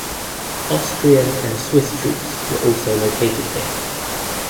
Austrian and Swiss troops were also located here.